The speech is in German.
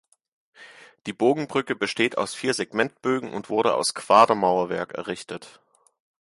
Die Bogenbrücke besteht aus vier Segmentbögen und wurde aus Quadermauerwerk errichtet.